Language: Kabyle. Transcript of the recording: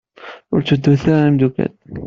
Ur tteddut a imeddukal.